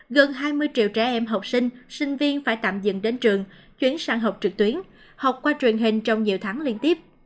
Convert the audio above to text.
gần hai mươi triệu trẻ em học sinh sinh viên phải tạm dừng đến trường chuyển sang học trực tuyến học qua truyền hình trong nhiều tháng liên tiếp